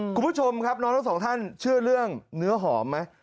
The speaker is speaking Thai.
คุณผู้ชมครับน้องทั้งสองท่านเชื่อเรื่องเนื้อหอมไหม